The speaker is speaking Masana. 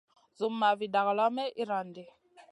Zumma vi dagalawn may iyran ɗi.